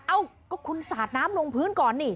เอ้าก็คุณสาดน้ำลงพื้นก่อนนี่